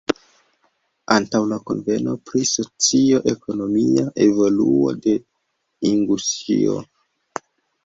Antaŭ la kunveno pri socio-ekonomia evoluo de Inguŝio.